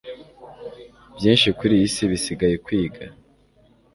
byinshi kuriyi si bisigaye kwiga